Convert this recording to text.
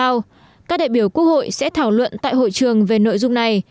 sau các đại biểu quốc hội sẽ thảo luận tại hội trường về nội dung này